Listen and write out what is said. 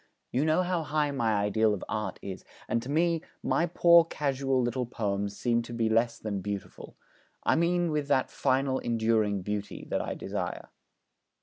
You know how high my ideal of Art is; and to me my poor casual little poems seem to be less than beautiful I mean with that final enduring beauty that I desire.'